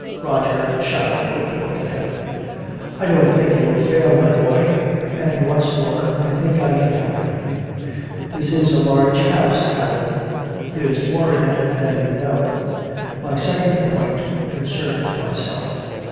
Roger shot a quick look at him. "I don't think you'll fail, my boy and what's more I think I can help you. This is a large house, Allan there's more in it than you know. My second point concerns myself.